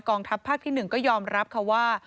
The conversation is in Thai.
ทัพภาคที่๑ก็ยอมรับค่ะว่า